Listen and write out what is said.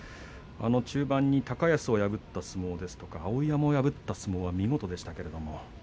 中盤高安を破ったあるいは碧山を破った相撲は見事でしたね。